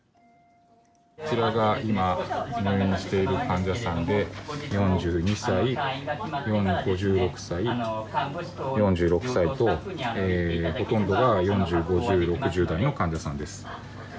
こちらが今、うちに入院している患者さんで、４２歳、５６歳、４６歳と、ほとんどが４０、５０、６０代の患者さんです。